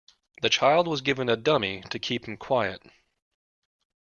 The child was given a dummy to keep him quiet